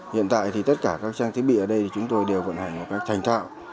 hiện tại thì tất cả các trang thiết bị ở đây thì chúng tôi đều vận hành một cách thành thạo